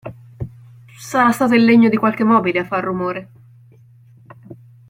Sarà stato il legno di qualche mobile a far rumore.